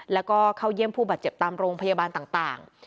แล้วก็เข้าเยี่ยมผู้บาดเจ็บตามโรงพยาบาลต่าง